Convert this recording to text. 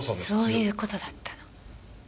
そういう事だったの。